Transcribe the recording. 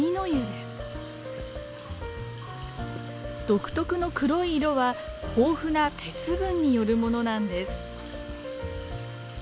独特の黒い色は豊富な鉄分によるものなんです。